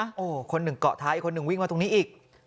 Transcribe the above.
โอ้โหคนหนึ่งเกาะท้ายคนหนึ่งวิ่งมาตรงนี้อีก